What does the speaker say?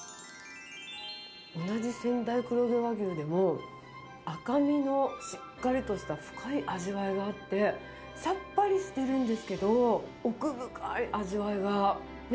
同じ仙台黒毛和牛でも、赤身のしっかりとした深い味わいがあって、さっぱりしているんですけど、奥深い味わいがね。